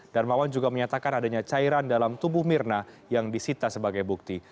darmawan juga menyatakan adanya cairan dalam tubuh mirna yang disita sebagai bukti